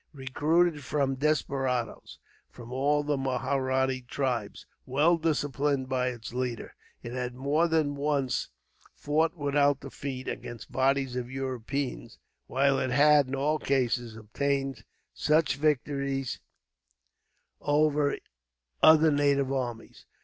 Recruited from desperadoes from all the Mahratta tribes, well disciplined by its leader, it had more than once fought, without defeat, against bodies of Europeans; while it had, in all cases, obtained easy victories over other native armies.